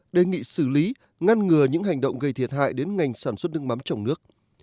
đề nghị xử lý ngăn ngừa những hành động gây thiệt hại đến ngành sản xuất nước mắm trong nước